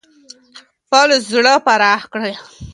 خپل زړه پراخ کړئ.